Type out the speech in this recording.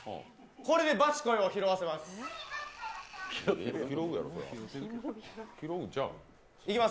これでバッチコイを拾わせます。